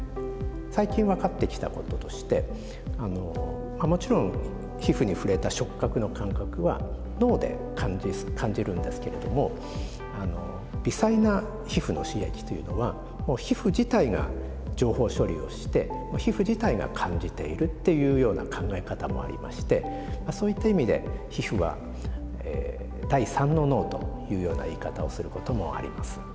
最近分かってきたこととしてもちろん皮膚に触れた触覚の感覚は脳で感じるんですけれども微細な皮膚の刺激というのは皮膚自体が情報処理をして皮膚自体が感じているっていうような考え方もありましてそういった意味で皮膚は第３の脳というような言い方をすることもあります。